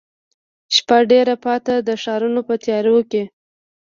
شپه ډېره پاته ده ښارونه په تیاروکې،